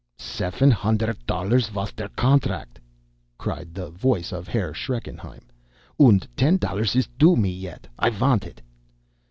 "Seven hunderdt dollars vos der contract," cried the voice of Herr Schreckenheim. "Und ten dollars is due me yet. I vant it."